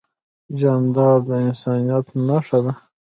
جانداد د انسانیت نښه ده.